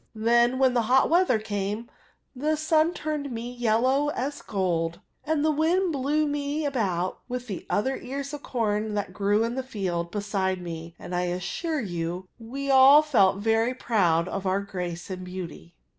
Then, when the hot weather came, the sun turned me as yellow as gold, and the wind blew me about with the other ears of corn that grew in the field beside me, and I assure you we all felt very proud of oux grace and beauty.